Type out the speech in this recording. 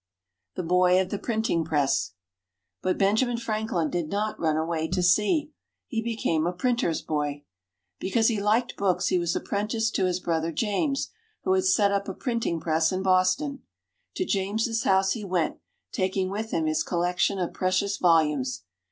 THE BOY OF THE PRINTING PRESS But Benjamin Franklin did not run away to sea. He became a printer's boy. Because he liked books, he was apprenticed to his brother James, who had set up a printing press in Boston. To James's house he went, taking with him his collection of precious volumes.